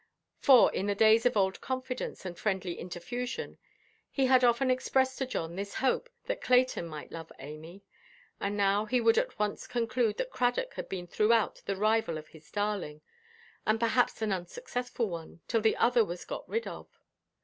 For, in the days of old confidence and friendly interfusion, he had often expressed to John his hope that Clayton might love Amy; and now he would at once conclude that Cradock had been throughout the rival of his darling, and perhaps an unsuccessful one, till the other was got rid of.